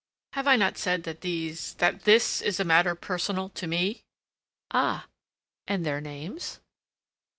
"Have I not said that these... that this is a matter personal to me?" "Ah! And their names?"